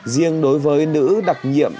riêng đối với nữ đặc nhiệm